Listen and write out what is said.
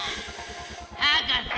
博士！